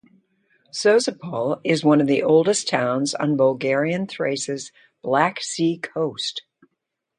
Sozopol is one of the oldest towns on Bulgarian Thrace's Black Sea coast.